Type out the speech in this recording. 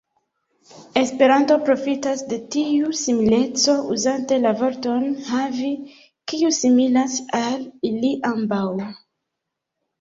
Esperanto profitas de tiu simileco uzante la vorton "havi", kiu similas al ili ambaŭ.